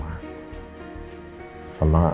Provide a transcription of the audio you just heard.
aku yakin ilsa masih trauma